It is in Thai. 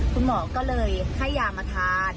คุณหมอก็เลยให้ยามาทาน